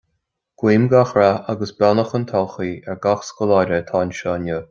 Guím gach rath agus beannacht don todhchaí ar gach scoláire atá anseo inniu.